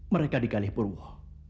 mereka di kalih purwa